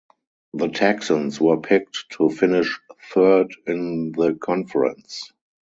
The Texans were picked to finish third in the conference.